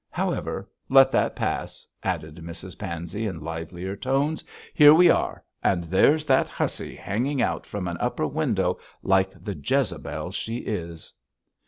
However, let that pass,' added Mrs Pansey, in livelier tones. 'Here we are, and there's that hussy hanging out from an upper window like the Jezebel she is.'